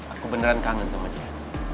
aku beneran kangen sama dia